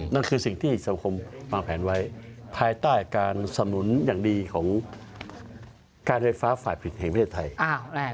นั่นคือสิ่งที่สังคมวางแผนไว้ภายใต้การสำนุนอย่างดีของการไฟฟ้าฝ่ายผิดแห่งประเทศไทย